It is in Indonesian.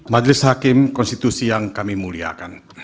majelis hakim konstitusi yang kami muliakan